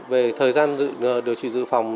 về thời gian điều trị dự phòng